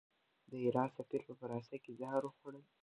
د ایران سفیر په فرانسه کې زهر وخوړل.